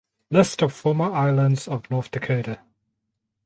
List of former islands of North Dakota.